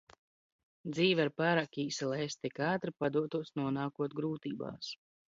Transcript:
Dzīve ir pārāk īsa, lai es tik ātri padotos nonākot grūtībās.